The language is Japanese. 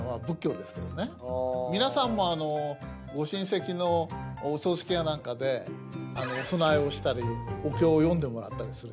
皆さんもご親戚のお葬式や何かでお供えをしたりお経を読んでもらったりするじゃないですか。